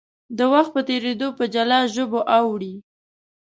د وخت په تېرېدو په جلا ژبو اوړي.